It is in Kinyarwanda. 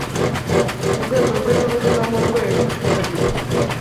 rwego rw ibihugu no mu rwego